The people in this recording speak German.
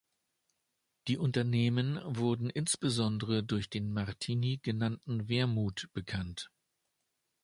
Die Unternehmen wurde insbesondere durch den Martini genannten Wermut bekannt.